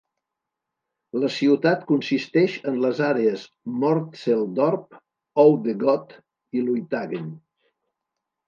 La ciutat consisteix en les àrees Mortsel-Dorp, Oude-God i Luithagen.